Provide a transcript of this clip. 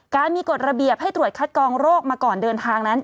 การมีกฎระเบียบให้ตรวจคัดกองโรคมาก่อนเดินทางนั้น